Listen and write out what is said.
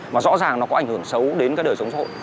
mà rõ ràng nó có ảnh hưởng xấu đến cái đời sống xã hội